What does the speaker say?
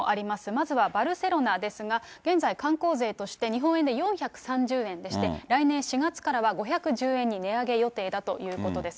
まずはバルセロナですが、現在、観光税として日本円で４３０円でして、来年４月からは５１０円に値上げ予定だということです。